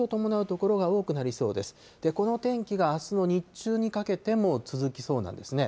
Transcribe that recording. この天気があすの日中にかけても続きそうなんですね。